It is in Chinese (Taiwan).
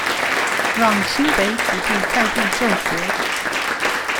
讓新北子弟在地就學